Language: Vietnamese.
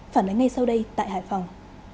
phản ánh ngay sau đây tại hải phòng